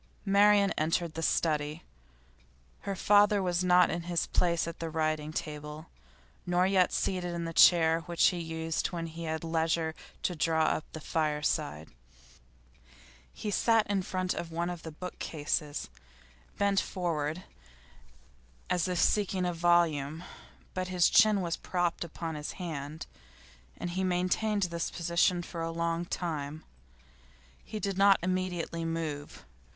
Marian entered the study. Her father was not in his place at the writing table, nor yet seated in the chair which he used when he had leisure to draw up to the fireside; he sat in front of one of the bookcases, bent forward as if seeking a volume, but his chin was propped upon his hand, and he had maintained this position for a long time. He did not immediately move.